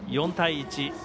４対１。